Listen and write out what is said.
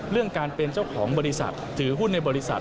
เรื่องการเป็นเจ้าของบริษัทถือหุ้นในบริษัท